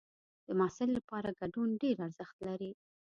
د محصل لپاره ګډون ډېر ارزښت لري.